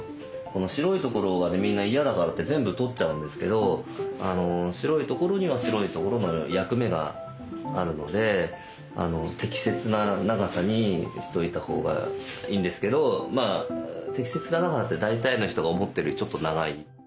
この白いところがみんな嫌だからって全部取っちゃうんですけど白いところには白いところの役目があるので適切な長さにしておいた方がいいんですけどまあ適切な長さって大体の人が思ってるよりちょっと長い。